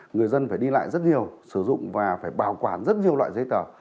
người dân phải đi lại rất nhiều sử dụng và phải bảo quản rất nhiều loại giấy tờ